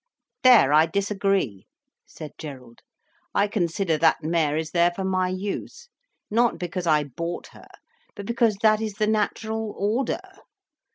"There I disagree," said Gerald. "I consider that mare is there for my use. Not because I bought her, but because that is the natural order.